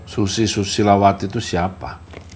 susi susilawati itu siapa